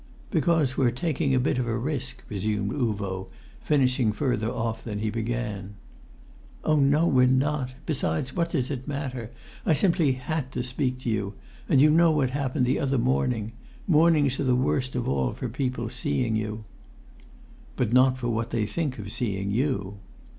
"Because we're taking a bit of a risk," resumed Uvo, finishing further off than he began. "Oh, no, we're not. Besides, what does it matter? I simply had to speak to you and you know what happened the other morning. Mornings are the worst of all for people seeing you." "But not for what they think of seeing you."